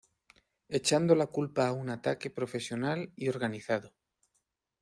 echando la culpa a un ataque profesional y organizado